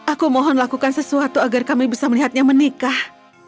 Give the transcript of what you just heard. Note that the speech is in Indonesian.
aku mohon lakukan sesuatu agar kami bisa melihatnya menikah